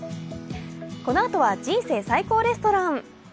このあとは「人生最高レストラン」。